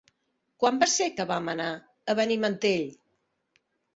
Quan va ser que vam anar a Benimantell?